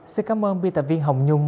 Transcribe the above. xin cảm ơn biên tập viên hồng nhung